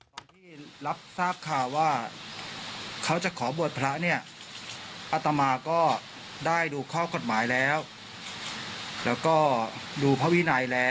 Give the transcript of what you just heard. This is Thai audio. ตอนที่รับทราบค่าว่าเค้าจะขอบวชพระ